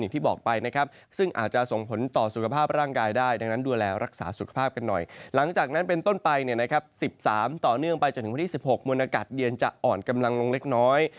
ต่อเนื่องไปจนถึงพันที่๑๖มวลอากาศเย็นจะอ่อนกำลังลงเล็กน้อย